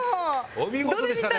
お見事でしたね！